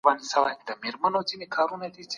حقیقت د منطقي دلایلو له لاري ثابتېږي.